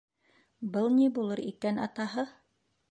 Был ни булыр икән, атаһы?!